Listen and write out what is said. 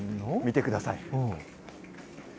見てください。